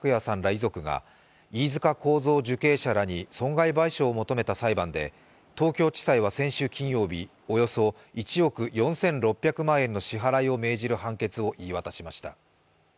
遺族が飯塚幸三受刑者らに損害賠償を求めた裁判で東京地裁は先週金曜日およそ１億４６００万円の支払いを命じる判決を言い渡しました。